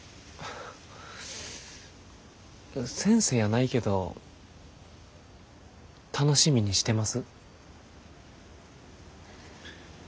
先生やないけど楽しみにしてます。